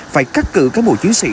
phải cắt cử cán bộ chiến sĩ